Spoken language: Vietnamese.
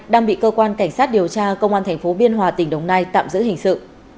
đang bị cơ quan cảnh sát điều tra công an thành phố biên hòa tỉnh đồng nai tạm giữ hình sự